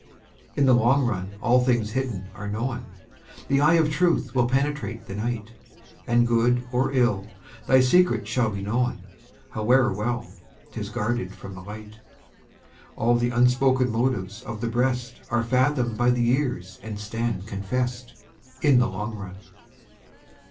In the long run all hidden things are known, The eye of truth will penetrate the night, And good or ill, thy secret shall be known, However well 'tis guarded from the light. All the unspoken motives of the breast Are fathomed by the years and stand confess'd In the long run.